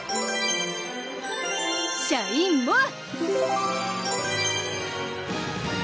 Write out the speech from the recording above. シャインモア！